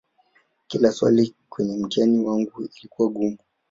kila swali kwenye mtihani wangu lilikuwa gumu